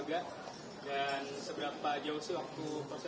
ini juga memang sudah dapat reaksi dari penonton sudah banyak